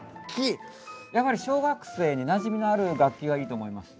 やはり小学生になじみのある楽器がいいと思います。